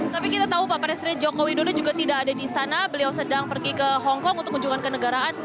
tapi kita tahu pak presiden joko widodo juga tidak ada di istana beliau sedang pergi ke hongkong untuk kunjungan ke negaraan